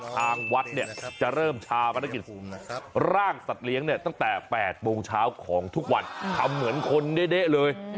ทางวัดเนี่ยจะเริ่มชาปนกิจร่างสัตว์เลี้ยงเนี่ยตั้งแต่๘โมงเช้าของทุกวันทำเหมือนคนเด๊ะเลย